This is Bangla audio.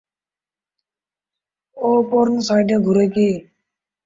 ও পর্ণ সাইটে ঘুরে কী?